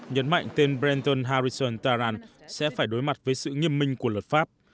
nhấn mạnh tên brenton harrison taran sẽ phải đối mặt với sự nghiêm minh của luật pháp